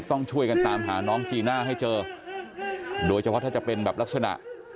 ต้องช่วยกันตามหาน้องจีน่าให้เจอโดยเฉพาะถ้าจะเป็นแบบลักษณะ